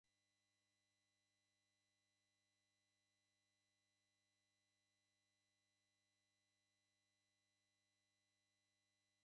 Su mujer traiciona esta singularidad y sus enemigos vienen y queman su cuerpo dormido.